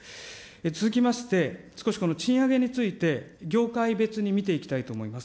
続きまして、少しこの賃上げについて、業界別に見ていきたいと思います。